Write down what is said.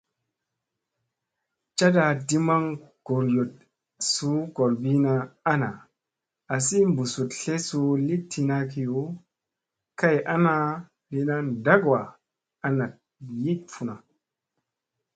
Cada di maŋ gooryoɗ suu goorbina ana assi busuɗ tlesu li tina kiyo kay ana lina dakwa a naɗ yi funa.